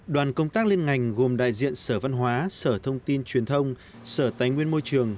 đoàn công tác liên ngành gồm đại diện sở văn hóa sở thông tin truyền thông sở tài nguyên môi trường